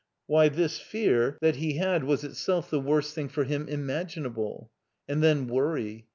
Why, this fear that he had was itself the worst thing for him imaginable. And then worry.